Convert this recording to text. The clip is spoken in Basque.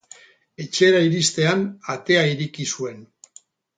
Etxera iristean, atea ireki zuen.